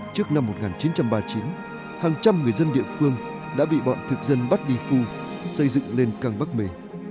trước năm một nghìn chín trăm ba mươi chín hàng trăm người dân địa phương đã bị bọn thực dân bắt đi phu xây dựng lên căng bắc mề